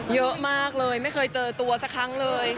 เยอะมากเลยไม่เคยเจอตัวสักครั้งเลย